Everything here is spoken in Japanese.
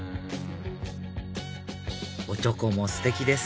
おちょこもステキです